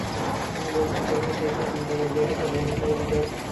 তিনি বলছেন—তোমরা কি একটু চিন্তা করে দেখেছ, হে মিথ্যাবাদীর দল!